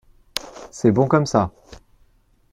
C’est bon comme ça.